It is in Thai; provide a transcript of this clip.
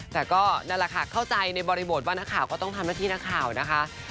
แต่ก็นั่นแหละค่ะเข้าใจในบริบทว่านักข่าวก็ต้องทำหน้าที่นักข่าวนะคะ